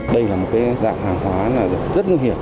đây là một dạng hàng hóa rất nguy hiểm